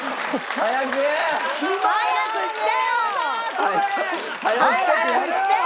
早くしてよ！